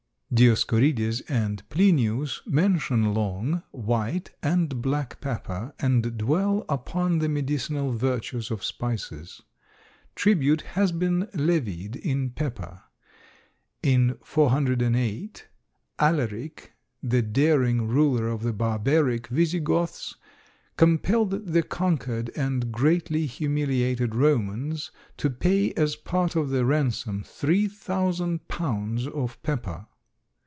Dioscorides and Plinius mention long, white and black pepper and dwell upon the medicinal virtues of spices. Tribute has been levied in pepper. In 408, Alaric the daring ruler of the barbaric Visigoths, compelled the conquered and greatly humiliated Romans to pay as part of the ransom 3,000 pounds of pepper.